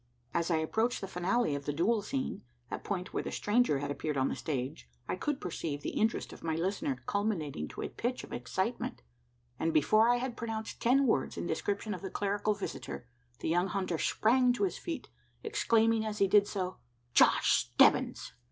As I approached the finale of the duel scene that point where the stranger had appeared upon the stage I could perceive the interest of my listener culminating to a pitch of excitement; and, before I had pronounced ten words in description of the clerical visitor, the young hunter sprang to his feet, exclaiming as he did so "Josh Stebbins!"